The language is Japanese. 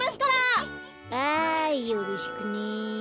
ああよろしくね。